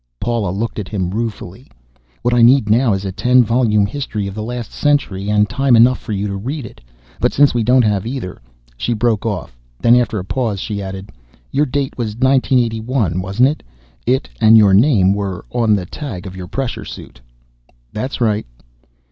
Paula looked at him ruefully. "What I need now is a ten volume history of the last century, and time enough for you to read it. But since we don't have either " She broke off, then after a pause asked, "Your date was 1981, wasn't it? It and your name were on the tag of your pressure suit." "That's right."